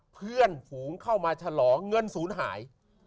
เพื่อนฝูงเข้ามาฉลองเงินศูนย์หาย